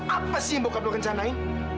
apa sih yang bokap lu rencanain